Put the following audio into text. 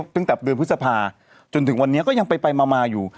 ตั้งแต่เดือนพฤษภาจนถึงวันนี้ก็ยังไปมาอยู่